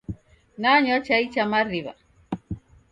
Nanywa chai cha mariw'a.